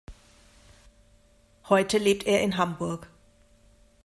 Heute lebt er in Hamburg.